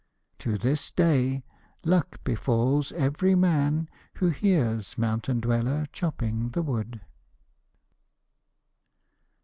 To this day luck befalls every man who hears Mountain Dweller chopping the wood.